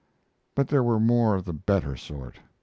But there were more of the better sort.